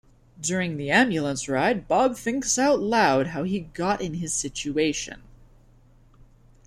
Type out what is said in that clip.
During the ambulance ride, Bob thinks out loud how he got in his situation.